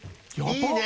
いいね